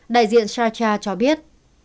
đại diện satra cho biết